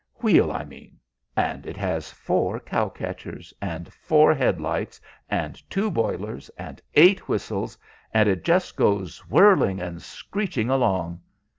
"Wheel, I mean. And it has four cow catchers, and four head lights, and two boilers, and eight whistles, and it just goes whirling and screeching along.